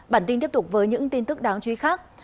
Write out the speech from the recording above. bản tin tiếp tục với những tin tức đáng chú ý khác